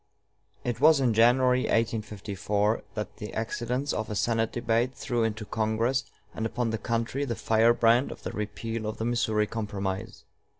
It was in January, 1854, that the accidents of a Senate debate threw into Congress and upon the country the firebrand of the repeal of the Missouri Compromise.